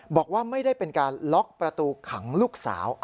บอกว่าไม่ได้เป็นการล็อกประตูขังลูกสาว